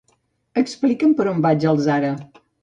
Explica'm per on vaig al Zara.